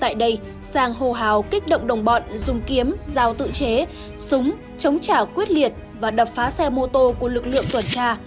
tại đây sang hô hào kích động đồng bọn dùng kiếm giao tự chế súng chống trả quyết liệt và đập phá xe mô tô của lực lượng tuần tra